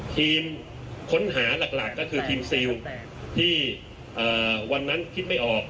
ทีมค้นหาหลักก็คือทีมซิลที่วันนั้นคิดไม่ออก